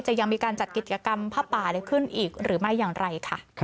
ยังมีการจัดกิจกรรมผ้าป่าขึ้นอีกหรือไม่อย่างไรค่ะ